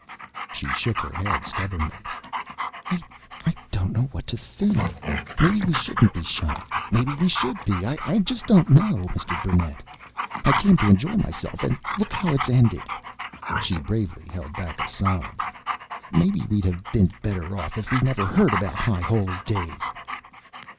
She shook her head stubbornly. "I don't know what to think. Maybe we shouldn't be shocked, maybe we should be. I just don't know, Mr. Burnett. I came to enjoy myself and look how it's ended." She bravely held back a sob, "Maybe we'd have been better off if we've never heard about High Holy Days!"